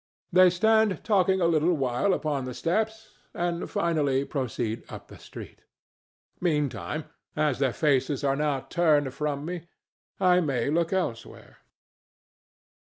They stand talking a little while upon the steps, and finally proceed up the street. Meantime, as their faces are now turned from me, I may look elsewhere.